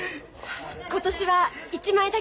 今年は１枚だけ。